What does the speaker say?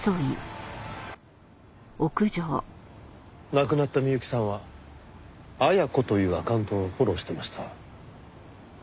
亡くなった美由紀さんは「Ａｙａｋｏ」というアカウントをフォローしてました。